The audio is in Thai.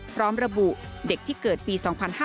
พร้อมระบุเด็กที่เกิดปี๒๕๕๙